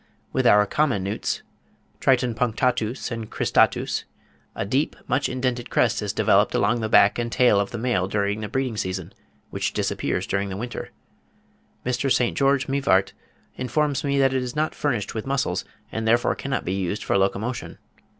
With our common newts (Triton punctatus and cristatus) a deep, much indented crest is developed along the back and tail of the male during the breeding season, which disappears during the winter. Mr. St. George Mivart informs me that it is not furnished with muscles, and therefore cannot be used for locomotion.